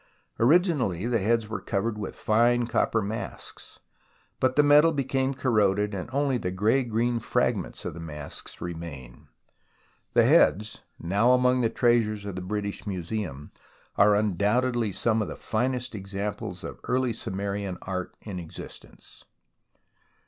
Originally the heads were covered with fine copper masks, but the metal became corroded and only the grey green fragments of the masks remain. The heads, now among the treasures of the British Museum, are undoubtedly some of the finest examples of early Sumerian art in existence.